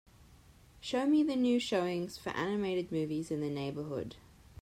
Show me the new showings for animated movies in the neighborhood